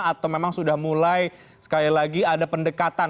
atau memang sudah mulai sekali lagi ada pendekatan